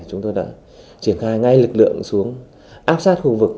chúng tôi đã triển khai ngay lực lượng xuống áp sát khu vực